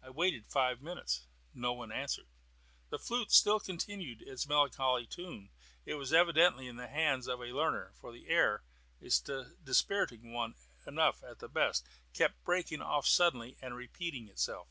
I waited five minutes, and no one answered. The flute still continued its melancholy tune; it was evidently in the hands of a learner, for the air (a dispiriting one enough at the best) kept breaking off suddenly and repeating itself.